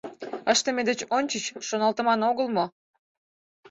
— Ыштыме деч ончыч шоналтыман огыл мо?